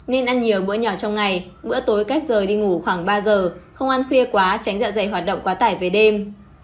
nên ăn nhiều bữa nhỏ trong ngày bữa tối cách rời đi ngủ khoảng ba giờ không ăn khuya quá tránh dạ dày hoạt động quá tải về đêm